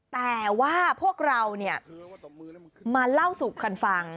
แต่ว่าพวกเราเนี่ยมาเล่าสู่กันฟัง